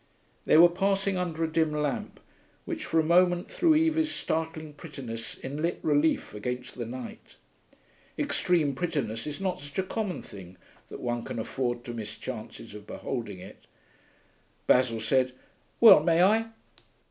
They were passing under a dim lamp, which for a moment threw Evie's startling prettiness in lit relief against the night. Extreme prettiness is not such a common thing that one can afford to miss chances of beholding it. Basil said, 'Well, may I?'